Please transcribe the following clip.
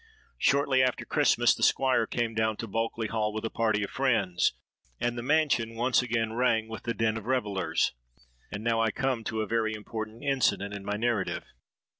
Shortly after Christmas the Squire came down to Bulkeley Hall with a party of friends; and the mansion once again rang with the din of revellers. And now I come to a very important incident in my narrative.